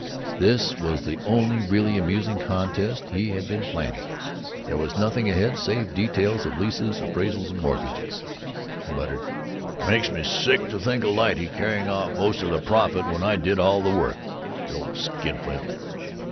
This was the only really amusing contest he had been planning. There was nothing ahead save details of leases, appraisals, mortgages. He muttered, "Makes me sick to think of Lyte carrying off most of the profit when I did all the work, the old skinflint!